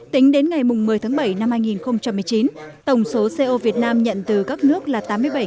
tính đến ngày một mươi tháng bảy năm hai nghìn một mươi chín tổng số co việt nam nhận từ các nước là tám mươi bảy ba trăm năm mươi năm